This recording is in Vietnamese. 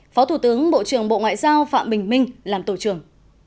phó thủ tướng bộ trưởng bộ ngoại giao phạm bình minh làm tổ trưởng